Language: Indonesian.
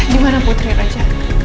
dimana putri raja